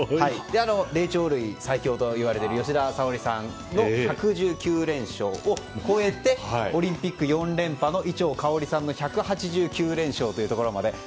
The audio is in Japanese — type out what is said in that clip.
霊長類最強といわれる吉田沙保里さんの１１９連勝を超えてオリンピック４連覇の伊調馨さんの１８９連勝というところまで。